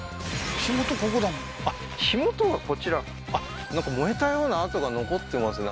火元ここだもんあっ火元がこちらあっなんか燃えたような跡が残ってますね